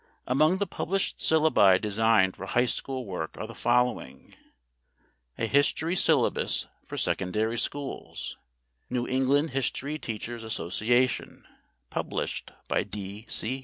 Among the published syllabi designed for high school work are the following: "A History Syllabus for Secondary Schools" (New England History Teachers' Association, published by D. C.